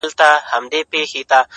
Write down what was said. زما گلاب !!گلاب دلبره نور به نه درځمه!!